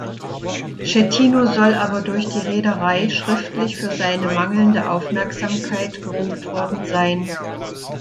Schettino soll aber durch die Reederei schriftlich für seine mangelnde Aufmerksamkeit gerügt worden sein.